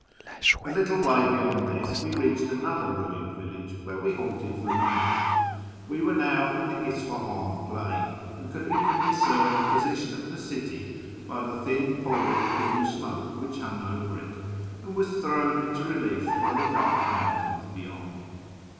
A little way beyond this we reached another ruined village, where w^e halted for lunch. We were now in the Isfahan plain, and could even discern the position of the city by the thin pall of blue smoke which hung over ^t, and was thrown into relief by the dark mountains beyond.